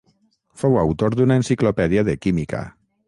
Fou autor d'una enciclopèdia de química.